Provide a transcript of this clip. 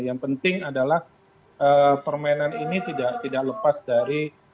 yang penting adalah permainan ini tidak lepas dari